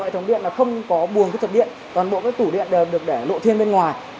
toàn bộ các tủ điện đều được để lộ thiên bên ngoài